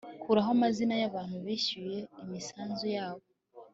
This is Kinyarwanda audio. kuraho amazina yabantu bishyuye imisanzu yabo